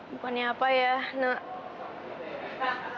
bukannya apa ya nek